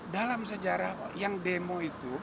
dalam sejarah yang demo itu